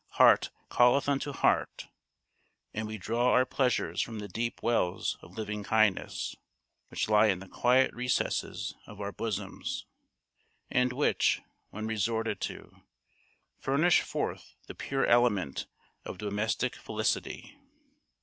Heart calleth unto heart; and we draw our pleasures from the deep wells of living kindness, which lie in the quiet recesses of our bosoms; and which, when resorted to, furnish forth the pure element of domestic felicity.